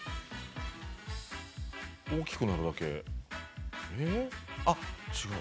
大きくなるだけ？